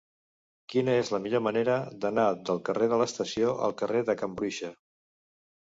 Quina és la millor manera d'anar del carrer de l'Estació al carrer de Can Bruixa?